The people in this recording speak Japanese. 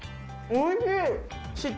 おいしい！